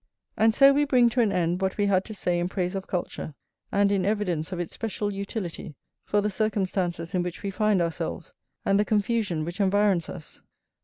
And so we bring to an end what we had to say in praise of culture, and in evidence of its special utility for the circumstances in which we find ourselves, and the confusion which environs us.